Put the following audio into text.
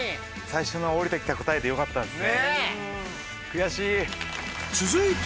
最初の降りて来た答えでよかったんですね。